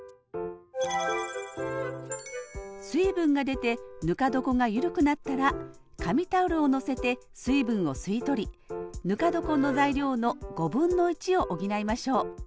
水分が出てぬか床が緩くなったら紙タオルをのせて水分を吸い取りぬか床の材料のを補いましょう。